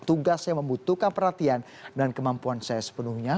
tugas yang membutuhkan perhatian dan kemampuan saya sepenuhnya